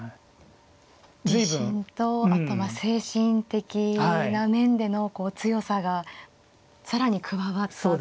自信とあとは精神的な面での強さが更に加わったという。